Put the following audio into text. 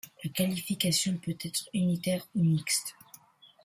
La qualification peut être unitaire ou mixte.